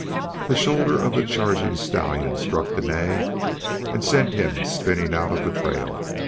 The shoulder of the charging stallion struck Dene and sent him spinning out of the trail.